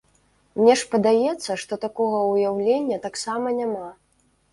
Мне ж падаецца, што такога ўяўлення таксама няма.